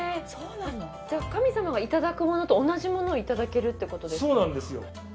じゃあ神様がいただくものと同じものをいただけるってことですか。